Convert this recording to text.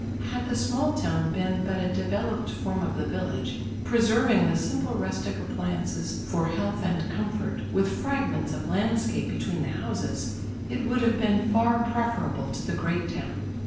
Had the small town been but a developed form of the village, preserving the simple rustic appliances for health and comfort, with fragments of landscape between the houses, it would have been far preferable to the great town.